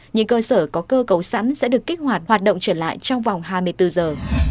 những cơ sở có cơ cấu sẵn sẽ được kích hoạt hoạt động trở lại trong vòng hai mươi bốn giờ